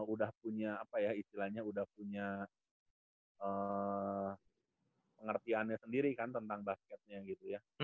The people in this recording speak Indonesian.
udah punya apa ya istilahnya udah punya pengertiannya sendiri kan tentang basketnya gitu ya